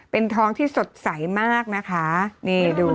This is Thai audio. เป็นท้องที่สดใสมากนะคะนี่ดู